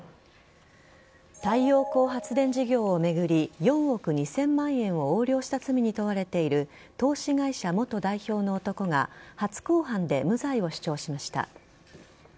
太陽光発電事業を巡り４億２０００万円を横領した罪に問われている投資会社元代表の男が初公判で無罪を主張しました。